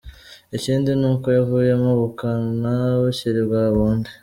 Ikindi ni uko avuyemo ubukana bukiri bwa bundi.